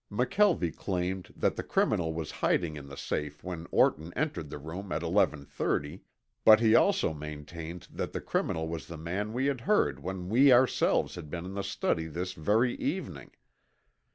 McKelvie claimed that the criminal was hiding in the safe when Orton entered the room at eleven thirty, but he also maintained that the criminal was the man we had heard when we ourselves had been in the study this very evening.